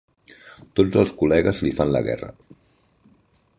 Tots els col·legues li fan la guerra.